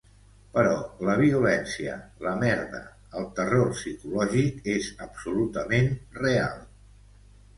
Però la violència, la merda, el terror psicològic és absolutament real.